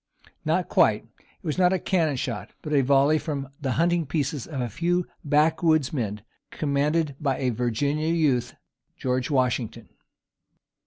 Not quite. It was not a cannon shot, but a volley from the hunting pieces of a few backwoodsmen, commanded by a Virginian youth, George Washington.